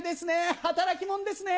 働き者ですね。